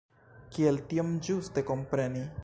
Kiel tion ĝuste kompreni?